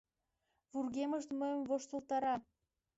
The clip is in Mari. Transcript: Вургемышт мыйым воштылтара!